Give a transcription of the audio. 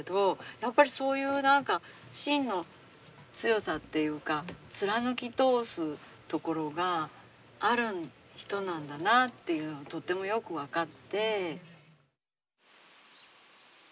やっぱりそういう何か心の強さっていうか貫き通すところがある人なんだなあっていうのがとってもよく分かって。